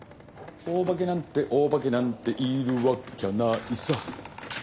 おばけなんておばけなんているわきゃないさ